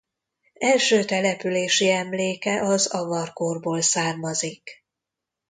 Első települési emléke az avar korból származik.